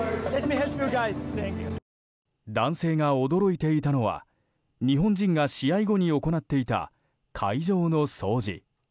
男性が驚いていたのは日本人が試合後に行っていた会場の掃除。